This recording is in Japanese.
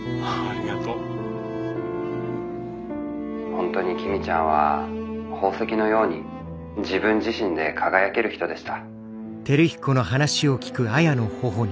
「本当に公ちゃんは宝石のように自分自身で輝ける人でした」。